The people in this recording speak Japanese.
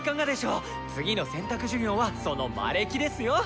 次の選択授業はその「魔歴」ですよ！